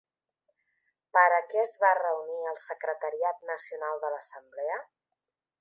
Per a què es va reunir el Secretariat Nacional de l'Assemblea?